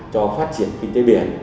cho phát triển kinh tế biển